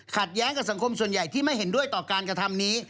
แย้งกับสังคมส่วนใหญ่ที่ไม่เห็นด้วยต่อการกระทำนี้